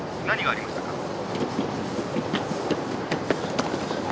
何がありましたか？」